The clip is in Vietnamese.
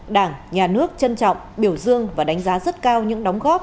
đảng nhà nước trân trọng biểu dương và đánh giá rất cao những đóng góp